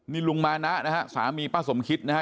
นี่ลุงมานะนะฮะสามีป้าสมคิดนะฮะ